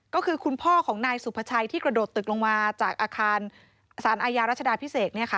ก็คือคุณพ่อของนายสุภาชัยที่กระโดดตึกลงมาจากอาคารสารอาญารัชดาพิเศษ